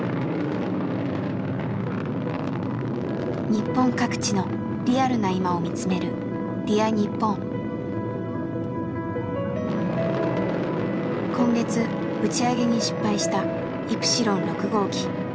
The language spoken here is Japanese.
日本各地のリアルな今を見つめる今月打ち上げに失敗したイプシロン６号機。